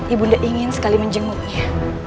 ibu bunda ingin sekali menjenguknya